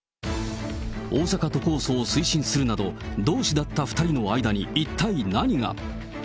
大阪都構想を推進するなど、同志だった２人の間に、一体何が。